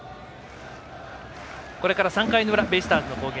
これから３回の裏ベイスターズの攻撃。